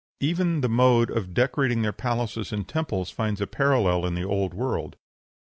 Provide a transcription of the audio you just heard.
Even the mode of decorating their palaces and temples finds a parallel in the Old World.